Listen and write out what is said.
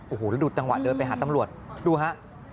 อุ้โหระดุจังหวะเดินไปหาตำรวจดูฮะ